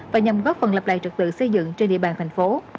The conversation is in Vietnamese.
và nhằm góp phần lập lại trật tự xây dựng trên địa bàn thành phố